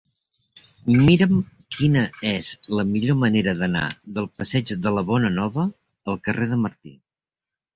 Mira'm quina és la millor manera d'anar del passeig de la Bonanova al carrer de Martí.